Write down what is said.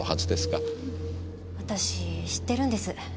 私知ってるんです。